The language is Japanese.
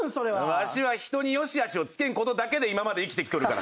わしは人に良しあしをつけんことだけで今まで生きてきとるから。